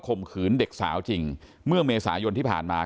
มขืนเด็กสาวจริงเมื่อเมษายนที่ผ่านมา